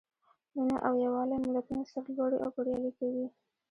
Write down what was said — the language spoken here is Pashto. مینه او یووالی ملتونه سرلوړي او بریالي کوي.